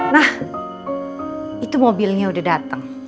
nah itu mobilnya udah datang